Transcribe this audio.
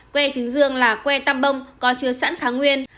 que chứng dương là que tăm bông có chưa sẵn kháng nguyên